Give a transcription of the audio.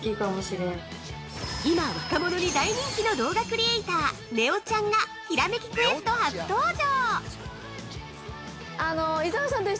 今、若者に大人気の動画クリエイター、ねおちゃんがひらめきクエスト初登場！